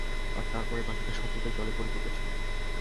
আর তার পরে বাকীটা সম্পূর্ণই জলে পরিপূর্ণ ছিল।